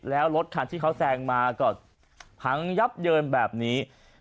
แล้วรถคันที่เขาแซงมาก็พังยับเยินแบบนี้